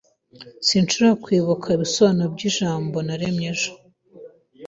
Sinshobora kwibuka ibisobanuro byijambo narebye ejo.